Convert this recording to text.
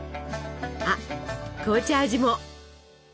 あっ紅茶味も！